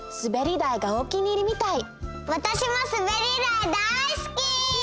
わたしもすべり台大すき！